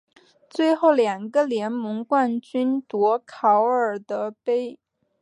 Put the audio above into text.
最后两个联盟冠军夺考尔德杯。